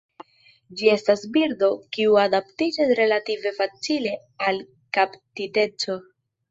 Ĝi estas birdo kiu adaptiĝas relative facile al kaptiteco.